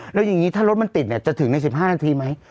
แล้วอย่างนี้ถ้ารถมันติดจะถึงใน๑๕นาทีไหม